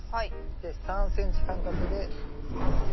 で３ｃｍ間隔で植えるだけ。